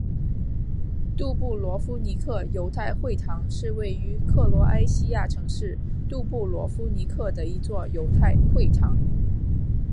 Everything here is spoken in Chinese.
杜布罗夫尼克犹太会堂是位于克罗埃西亚城市杜布罗夫尼克的一座犹太会堂。